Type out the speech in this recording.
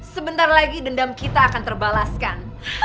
sebentar lagi dendam kita akan terbalaskan